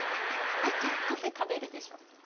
愛ちゃんパフェ食べるでしょ？